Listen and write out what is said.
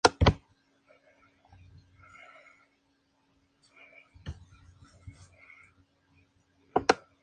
McLaren comenzó su campaña antitabaco tras conocer su enfermedad.